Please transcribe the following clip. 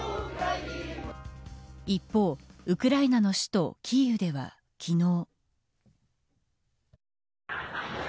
一方、ウクライナの首都キーウでは昨日。